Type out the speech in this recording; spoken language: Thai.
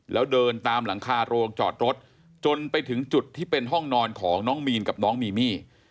แล้วเดินตามหลังคาโรงจอดรถจนไปถึงจุดที่เป็นห้องนอนของน้องมีนกับน้องมีมี่